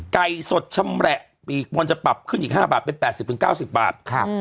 ไก่สดชำแหละปีกบนจะปรับขึ้นอีก๕บาทเป็น๘๐๙๐บาท